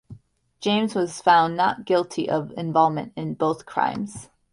James was found not guilty of involvement in both crimes.